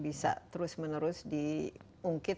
bisa terus menerus diungkit